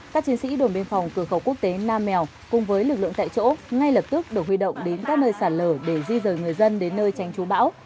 các chiến sĩ đồn biên phòng cửa khẩu quốc tế nam mèo cùng với lực lượng tại chỗ ngay lập tức được huy động đến các nơi sạt lở để di rời người dân đến nơi tránh chú bão